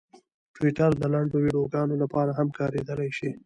ټویټر د لنډو ویډیوګانو لپاره هم کارېدلی شي.